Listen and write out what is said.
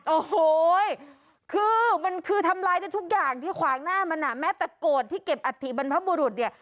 โอ้โหคือมันคือทำลายได้ทุกอย่างที่ขวางหน้ามันอ่ะแม้แต่โกรธที่เก็บอัฐิบรรพบุรุษเนี่ย